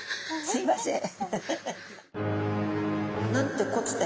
すいません。